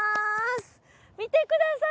見てください